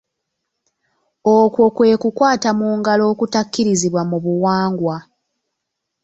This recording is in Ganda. Okwo kwe kukwata mu ngalo okutakkirizibwa mu buwangwa.